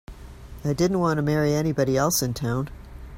I didn't want to marry anybody else in town.